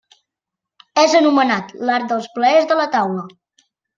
És anomenat l'art dels plaers de la taula.